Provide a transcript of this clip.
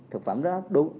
thực phẩm đó